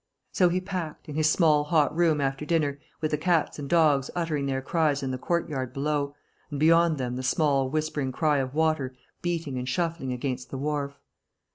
So he packed, in his small hot room after dinner, with the cats and dogs uttering their cries in the courtyard below, and beyond them the small whispering cry of water beating and shuffling against the wharf.